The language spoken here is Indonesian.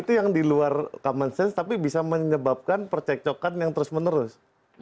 itu yang di luar common sense tapi bisa menyebabkan percekcokan yang terus menerus